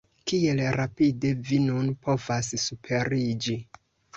Kiel rapide vi nun povas superiĝi!